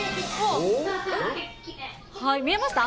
見えました？